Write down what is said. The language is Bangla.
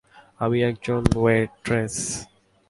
আমি একজন ওয়েট্রেস।